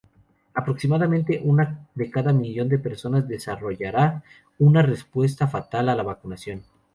Aproximadamente una de cada millón de personas desarrollará una respuesta fatal a la vacunación.